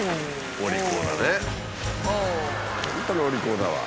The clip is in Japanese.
本当にお利口だわ。